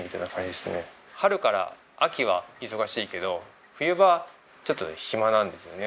春から秋は忙しいけど冬場ちょっと暇なんですよね